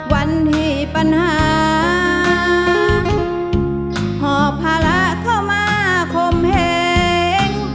วันที่ปัญหาหอบภาระเข้ามาคมแหง